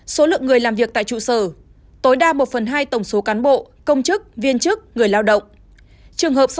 số lượng người làm việc tại trụ sở tối đa một phần hai tổng số cán bộ công chức viên chức người lao động